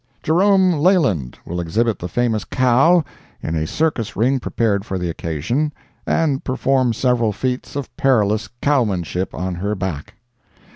JEROME LELAND will exhibit the famous cow, in a circus ring prepared for the occasion, and perform several feats of perilous cowmanship on her back.